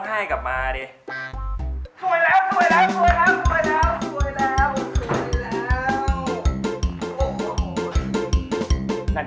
ชื่อฟอยแต่ไม่ใช่แฟง